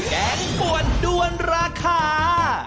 แกงป่วนด้วนราคา